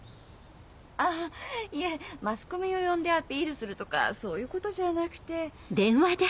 あいえマスコミを呼んでアピールするとかそういうことじゃなくて。